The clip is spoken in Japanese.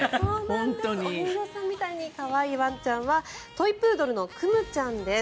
お人形さんみたいに可愛いワンちゃんはトイプードルのクムちゃんです。